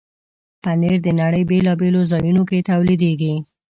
پنېر د نړۍ بیلابیلو ځایونو کې تولیدېږي.